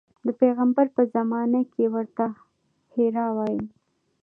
د پیغمبر په زمانه کې یې ورته حرا ویل.